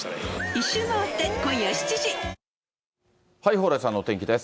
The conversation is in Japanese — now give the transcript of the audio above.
蓬莱さんのお天気です。